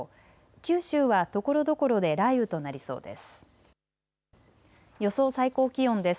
九州はところどころで雷雨となりそうです。